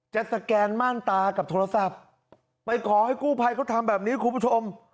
สแกนม่านตากับโทรศัพท์ไปขอให้กู้ภัยเขาทำแบบนี้คุณผู้ชม